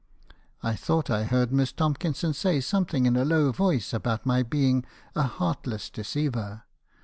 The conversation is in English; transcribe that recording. "I thought I heard Miss Tomkinson say something in a low voice about my being a heartless deceiver.